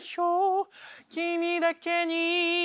「君だけに」